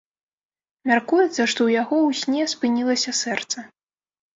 Мяркуецца, што ў яго ў сне спынілася сэрца.